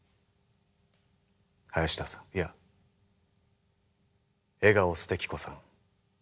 林田さんいや笑顔素敵子さん。